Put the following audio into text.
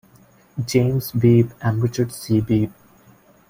James Beebe and Richard C. Beebe.